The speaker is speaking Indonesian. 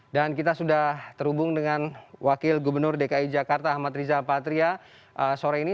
dan kita sudah terhubung dengan wakil gubernur dki jakarta ahmad riza patria sore ini